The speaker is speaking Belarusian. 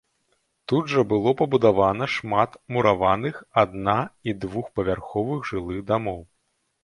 Тут жа было пабудавана шмат мураваных адна і двухпавярховых жылых дамоў.